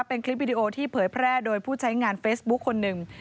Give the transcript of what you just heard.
เป็นคลิปวิดีโอที่เผยแพร่โดยผู้ใช้งานเฟซบุ๊คคนหนึ่ง